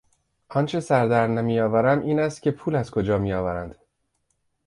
آنچه سردر نمیآورم این است که پول از کجا میآورند.